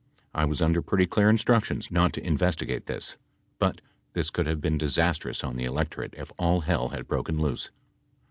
I was under pretty clear instructions not to investigate this , but this could have been disastrous on the electorate if all hell had broken loose.